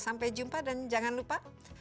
sampai jumpa dan jangan lupa